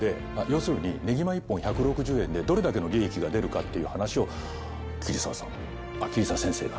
要するにねぎま１本１６０円でどれだけの利益が出るかっていう話を桐沢さんあっ桐沢先生が。